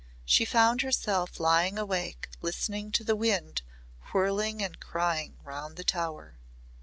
She found herself lying awake listening to the wind whirling and crying round the tower.